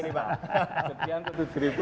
sekian itu tujuh ribu